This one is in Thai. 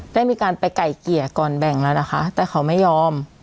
ได้มีการไปไก่เกลี่ยก่อนแบ่งแล้วนะคะแต่เขาไม่ยอม